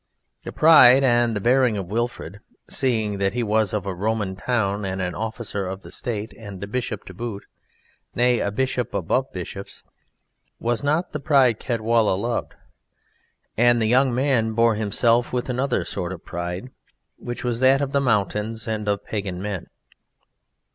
The pride and the bearing of Wilfrid, seeing that he was of a Roman town and an officer of the State, and a bishop to boot, nay, a bishop above bishops, was not the pride Caedwalla loved, and the young man bore himself with another sort of pride, which was that of the mountains and of pagan men.